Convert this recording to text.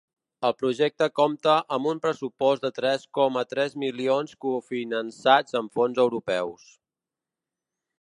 El projecte compta amb un pressupost de tres coma tres milions cofinançats amb fons europeus.